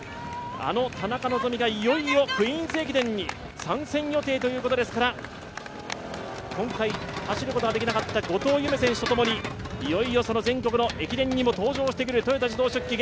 あの田中希実がいよいよクイーンズ駅伝に参戦予定ということですから、今回、走ることができなかった後藤夢選手とともにいよいよ全国の駅伝にも登場して来る豊田自動織機